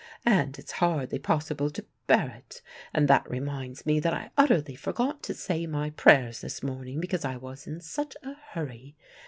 "And it's hardly possible to bear it. And that reminds me that I utterly forgot to say my prayers this morning, because I was in such a hurry.